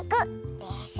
でしょ？